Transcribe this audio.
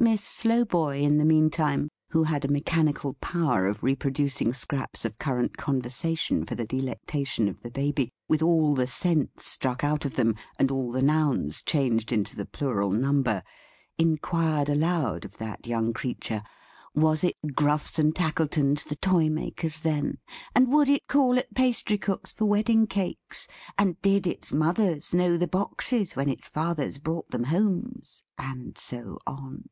Miss Slowboy, in the mean time, who had a mechanical power of reproducing scraps of current conversation for the delectation of the Baby, with all the sense struck out of them, and all the Nouns changed into the Plural number, enquired aloud of that young creature, Was it Gruffs and Tackletons the toymakers then, and Would it call at Pastry cooks for wedding cakes, and Did its mothers know the boxes when its fathers brought them homes; and so on.